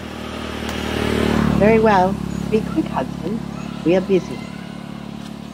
Very well — be quick, Hudson; we are busy.